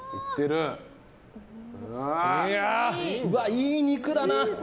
いい肉だな！